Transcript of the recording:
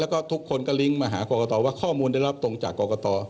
แล้วก็ทุกคนก็ลิงก์มาหากรกตว่าข้อมูลได้รับตรงจากกรกต